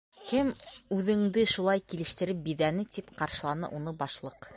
- Кем үҙеңде шулай килештереп биҙәне? - тип ҡаршыланы уны Башлыҡ.